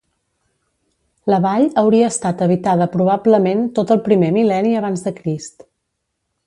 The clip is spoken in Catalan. La vall hauria estat habitada probablement tot el primer mil·lenni abans de Crist.